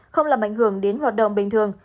không làm ảnh hưởng đến hoạt động bình thường